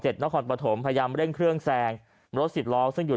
เจ็ดนคลปถมพยายามเร่งเครื่องแซงรถสิดรองซึ่งอยู่